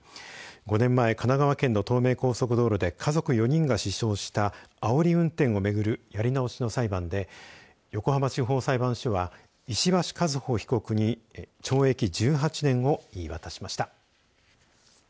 ５年前、神奈川県の東名高速道路で家族４人が死傷したあおり運転を巡るやり直しの裁判で横浜地方裁判所は石橋和歩被告に懲役１８年を言い渡しました。